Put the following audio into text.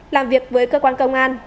làm việc với cơ quan công an